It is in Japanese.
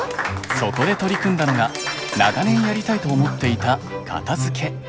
そこで取り組んだのが長年やりたいと思っていた片づけ。